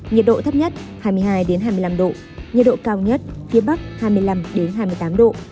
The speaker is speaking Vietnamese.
nhiệt độ thấp nhất hai mươi hai hai mươi năm độ nhiệt độ cao nhất phía bắc hai mươi năm hai mươi tám độ